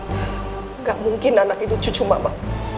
tidak mungkin anak itu cucu mama